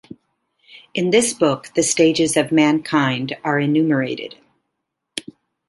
In this book the stages of mankind are enumerated.